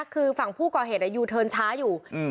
คือฝั่งผู้ก่อเหตุอ่ะยูเทินช้าอยู่อืม